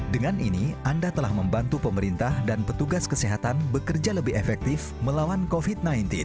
dengan ini anda telah membantu pemerintah dan petugas kesehatan bekerja lebih efektif melawan covid sembilan belas